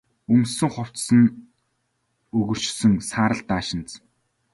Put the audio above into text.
Өмссөн хувцас нь өгөршсөн саарал даашинз.